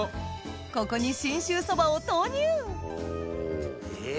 ここに信州そばを投入お。